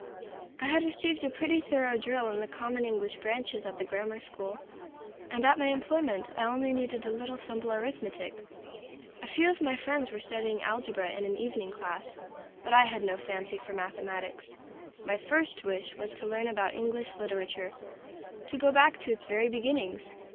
I had received a pretty thorough drill in the common English branches at the grammar school, and at my employment I only needed a little simple arithmetic. A few of my friends were studying algebra in an evening class, but I had no fancy for mathematics. My first wish was to learn about English Literature, to go back to its very beginnings.